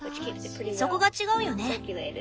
そこが違うよね。